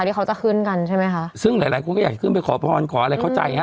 ที่เขาจะขึ้นกันใช่ไหมคะซึ่งหลายหลายคนก็อยากขึ้นไปขอพรขออะไรเข้าใจฮะ